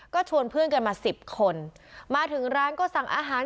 ก็ชวนเพื่อนกันมาสิบคนมาถึงร้านก็สั่งอาหาร